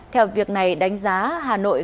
theo việc này đánh giá hà nội